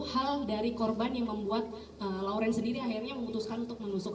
hal dari korban yang membuat laurence sendiri akhirnya memutuskan untuk menusuk